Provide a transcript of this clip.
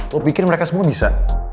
aku pikir mereka semua bisa